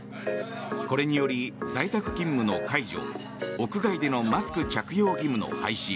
これにより在宅勤務の解除屋外でのマスク着用義務の廃止